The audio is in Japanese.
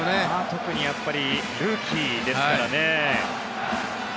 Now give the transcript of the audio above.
特にルーキーですからね。